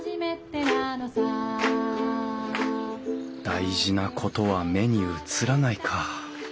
「大事なことは目に映らない」か。